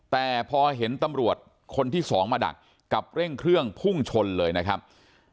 แต่พอเห็นตำรวจคนที่สองมาดักกับเร่งเครื่องพุ่งชนเลยนะครับ